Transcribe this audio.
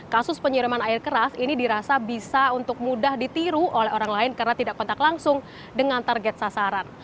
kasus penyiraman air keras ini dirasa bisa untuk mudah ditiru oleh orang lain karena tidak kontak langsung dengan target sasaran